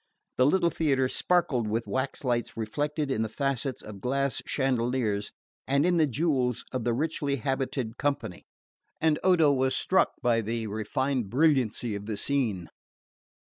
The little theatre sparkled with wax lights reflected in the facets of glass chandeliers and in the jewels of the richly habited company, and Odo was struck by the refined brilliancy of the scene.